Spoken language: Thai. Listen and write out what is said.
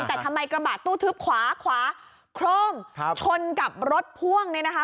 แต่ทำไมกระบะตู้ทึบขวาขวาโคร่มครับชนกับรถพ่วงเนี่ยนะคะ